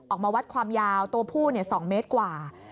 ออกมาวัดความยาวตัวผู้๒เมตรกว่า